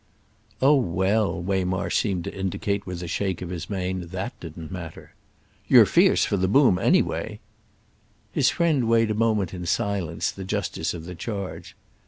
Oh well, Waymarsh seemed to indicate with a shake of his mane, that didn't matter! "You're fierce for the boom anyway." His friend weighed a moment in silence the justice of the charge.